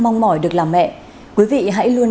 mong mỏi được làm mẹ quý vị hãy luôn